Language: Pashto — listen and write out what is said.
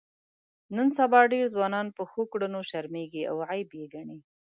نن سبا ډېر ځوانان په ښو کړنو شرمېږي او عیب یې ګڼي.